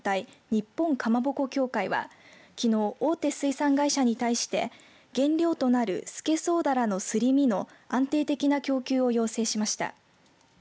日本かまぼこ協会はきのう、大手水産会社に対して原料となるスケソウダラのすり身の安定的な供給を要請しました。